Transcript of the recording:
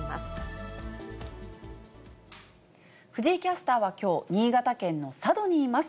藤井キャスターはきょう、新潟県の佐渡にいます。